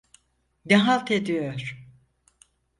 Ne halt ediyor?